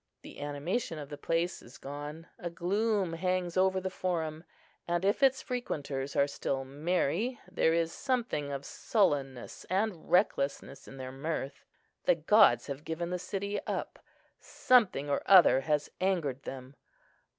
The animation of the place is gone; a gloom hangs over the Forum; and if its frequenters are still merry there is something of sullenness and recklessness in their mirth. The gods have given the city up; something or other has angered them.